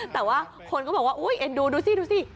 แต่ว่าคนก็บอกว่าอุ๊ยเอ็นดูดูสิดูสิ